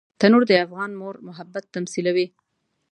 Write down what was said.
تنور د افغان مور محبت تمثیلوي